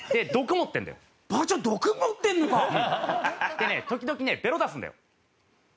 でね時々ねベロ出すんだよ。